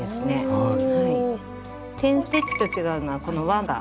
はい。